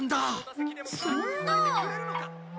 そんなあ。